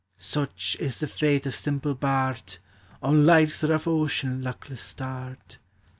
Such is the fate of simple bard, On life's rough ocean luckless starred!